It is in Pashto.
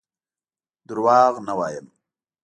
دروغ نه وایم.